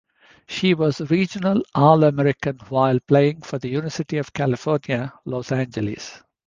She was Regional All-American while playing for the University of California, Los Angeles.